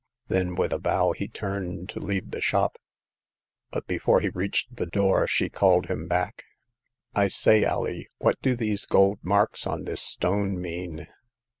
Then with a bow he turned to leave the shop ; but before he reached the door she called him back. " I say, Alee, what do these gold marks on this stone mean